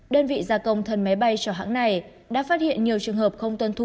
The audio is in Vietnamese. đơn vị gia công thân máy bay cho hãng này đã phát hiện nhiều trường hợp không tuân thủ